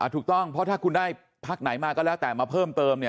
ถูกต้องเพราะถ้าคุณได้พักไหนมาก็แล้วแต่มาเพิ่มเติม